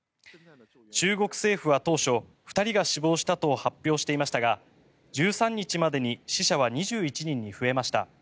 中国政府は当初２人が死亡したと発表していましたが１３日までに死者は２１人に増えました。